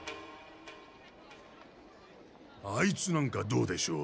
あいつなんかどうでしょう？